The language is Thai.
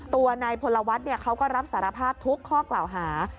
ตัวนายพลวัฒน์เขาก็รับสารภาพทุกข้อกล่าวหา